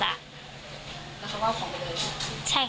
แล้วเขาก็เอาของไปเลย